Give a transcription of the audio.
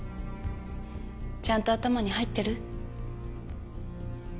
ちゃんと頭に入ってる？